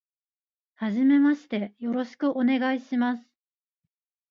初めましてよろしくお願いします。